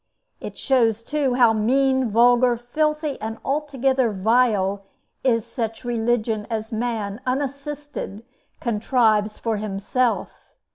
It shows, too, how mean, vulgar, filthy, and altogether vile, is such religion as man, unassisted, contrives for himself.